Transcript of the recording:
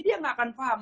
dia tidak akan paham